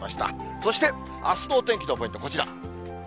そして、あすのお天気のポイント、こちら。